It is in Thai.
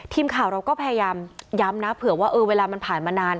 ทีมข่าวเราก็พยายามย้ำนะเผื่อว่าเวลามันผ่านมานาน